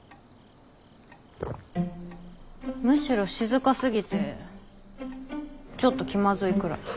むしろ静かすぎてちょっと気まずいくらい。